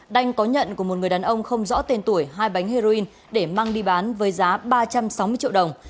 đành có nhận của một người đàn ông không rõ tên tuổi hai bánh heroin để mang đi bán với giá ba trăm sáu mươi triệu đồng